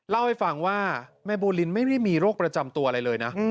เล่าให้ฟังว่าแม่บูลินไม่ได้มีโรคประจำตัวอะไรเลยนะ